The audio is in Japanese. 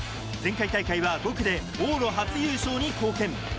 前回大会は５区で往路初優勝に貢献。